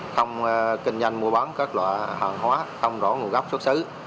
không kinh doanh mua bán các loại hàng hóa không rõ nguồn gốc xuất xứ